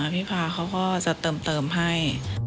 พี่พาเขาก็จะเติมให้